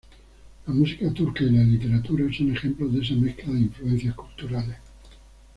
La música turca y la literatura son ejemplos de esa mezcla de influencias culturales.